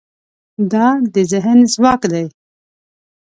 دا د ذهن ځواک دی.